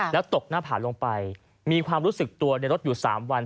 แล้วตกหน้าผาลงไปมีความรู้สึกตัวในรถอยู่๓วัน